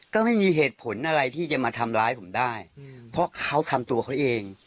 ก็ไม่มีเหตุผลอะไรที่จะมาทำร้ายผมได้เพราะเขาทำตัวเขาเอง